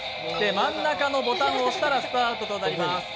真ん中のボタンを押したらスタートとなります。